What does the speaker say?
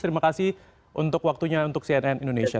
terima kasih untuk waktunya untuk cnn indonesia